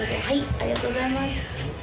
ありがとうございます。